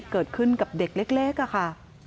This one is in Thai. เกิดขึ้นกับเด็กเล็กค่ะ